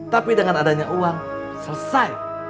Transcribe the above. tapi dengan adanya uang selesai